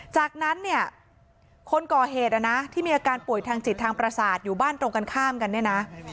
จากนั้นเนี่ยคนก่อเหตุที่มีอาการป่วยทางจิตทางประสาทอยู่บ้านตรงกันข้ามกันเนี่ยนะ